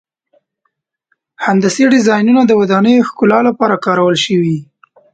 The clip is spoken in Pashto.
هندسي ډیزاینونه د ودانیو ښکلا لپاره کارول شوي.